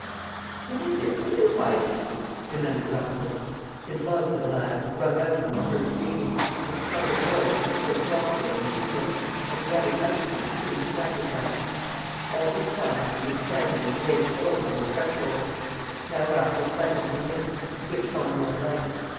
"What is it? What are you hiding?" demanded Raffles. His love for the lad had rung out in his first greeting; his puzzled voice was still jocular and genial, but the other's attitude soon strangled that. All this time I had been standing in vague horror on the threshold; now Raffles beckoned me in and switched on more light.